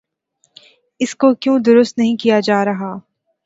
اس کو کیوں درست نہیں کیا جا رہا؟